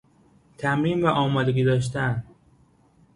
تمرین و آمادگی داشتن